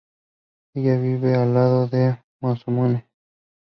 Ella vive al lado de Masamune.